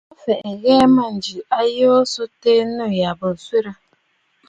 Mə fɛ̀ʼɛ nyə mânjì a yoo so tɛɛ, nû yâ ɨ bû ǹswerə!